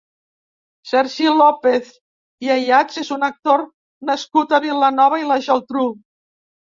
Sergi López i Ayats és un actor nascut a Vilanova i la Geltrú.